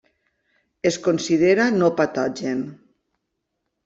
Es considera no patogen.